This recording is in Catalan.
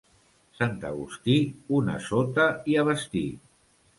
Sant Agustí, una sota i a vestir.